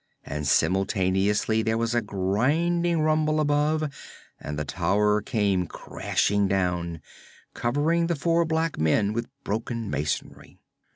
And simultaneously there was a grinding rumble above and the tower came crashing down, covering the four black men with broken masonry.